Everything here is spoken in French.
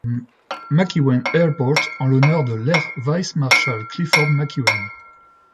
McEwen Airport en l'honneur de l'Air Vice-Marshal Clifford McEwen.